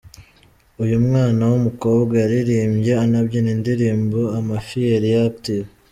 Uyu mwana w'umukobwa yaririmbye anabyina indirimbo "Amafiyeri ya Active".